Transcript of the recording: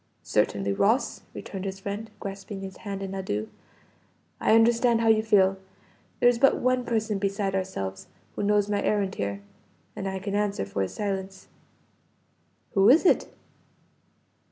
"Certainly, Ross!" returned his friend, grasping his hand in adieu. "I understand how you feel. There is but one person beside ourselves, who knows my errand here, and I can answer for his silence." "Who is it?"